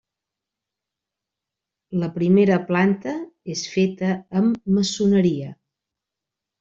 La primera planta és feta amb maçoneria.